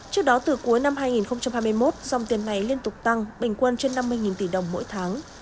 trước đó từ cuối năm hai nghìn hai mươi một dòng tiền này liên tục tăng bình quân trên năm mươi tỷ đồng mỗi tháng